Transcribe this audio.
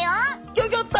ギョギョッと！？